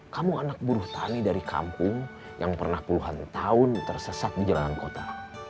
kamu anak buruh tani dari kampung yang pernah puluhan tahun tersesat di jalanan kota